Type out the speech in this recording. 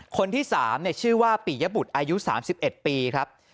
คนที่๓ชื่อว่าปียบุตรอายุ๓๑ปีครับ